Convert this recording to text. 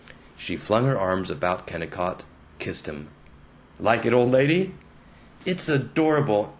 She flung her arms about Kennicott, kissed him. "Like it, old lady?" "It's adorable.